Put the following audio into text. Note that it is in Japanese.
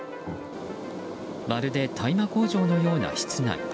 まるで大麻工場のような室内。